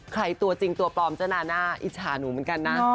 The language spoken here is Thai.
ตัวจริงตัวปลอมเจ้านาน่าอิจฉาหนูเหมือนกันนะ